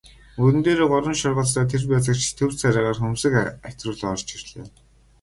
Мөрөн дээрээ гурван шоргоолжтой тэр байцаагч төв царайгаар хөмсөг атируулан орж ирлээ.